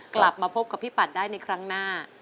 กลับมาพบกับพี่ปัดได้ในครั้งหน้า